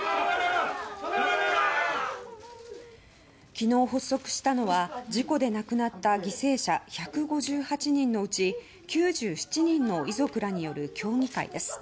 昨日、発足したのは事故で亡くなった犠牲者１５８人のうち９７人の遺族らによる協議会です。